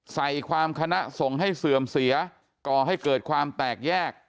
ใส่ความคณะส่งให้เสื่อมเสียก่อให้เกิดความแตกแยก